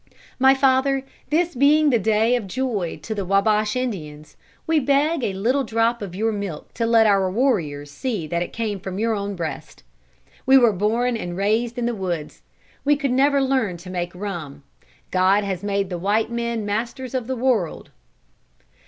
"My father, this being the day of joy to the Wabash Indians, we beg a little drop of your milk to let our warriors see that it came from your own breast. We were born and raised in the woods. We could never learn to make rum. God has made the white men masters of the world."